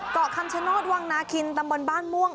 เกาะคำชโนธวังนาคินตำบลบ้านม่วง